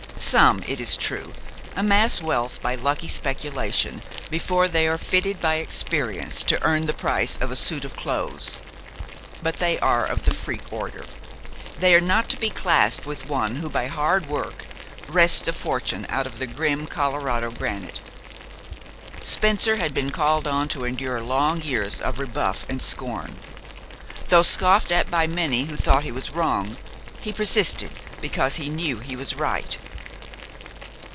Some, it is true, amass wealth by lucky speculation before they are fitted by experience to earn the price of a suit of clothes. But they are of the freak order. They are not to be classed with one who by hard work wrests a fortune out of the grim Colorado granite. Spencer had been called on to endure long years of rebuff and scorn. Though scoffed at by many who thought he was wrong, he persisted because he knew he was right.